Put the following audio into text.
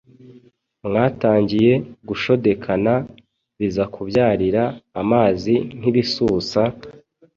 mwatangiye gushodekana bizakubyarira amazi nk’ibisusa!